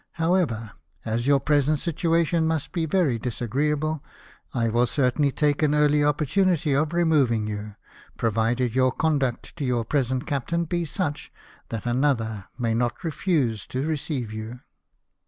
However, as your present situation must be very disagreeable, I will certainly take an early opportunity of removing you, provided your conduct to your present captain be such that another may not refuse to receive you."